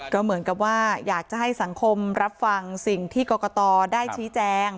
ก็เหมือนกับว่าอยากจะให้สังคมรับฟังสิ่งที่กรกตได้ชี้แจง